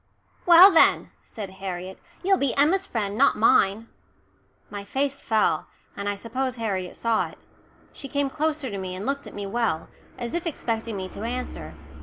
"Well, then," said Harriet, "you'll be Emma's friend, not mine." My face fell, and I suppose Harriet saw it. She came closer to me and looked at me well, as if expecting me to answer.